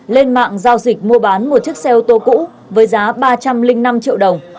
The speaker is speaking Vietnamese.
lên mạng giao dịch mua bán một chiếc xe ô tô cũ với giá ba trăm linh năm triệu đồng